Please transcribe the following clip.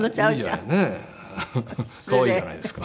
可愛いじゃないですか。